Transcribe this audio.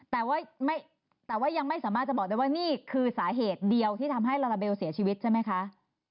แต่ว่ายังไม่สามารถจะบอกได้ว่านี่คือสาเหตุเดียวที่ทำให้ลาลาเบลเสียชีวิตใช่ไหมคะ